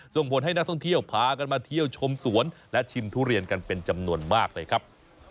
ส่งผลให้นักท่องเที่ยวพากันมาเที่ยวชมสวนและชิมทุเรียนกันเป็นจำนวนมากเลยครับ